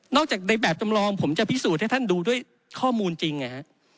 จากในแบบจำลองผมจะพิสูจน์ให้ท่านดูด้วยข้อมูลจริงนะฮะ